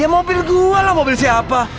ya mobil tua lah mobil siapa